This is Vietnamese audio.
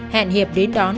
hẹn hiệp đến đón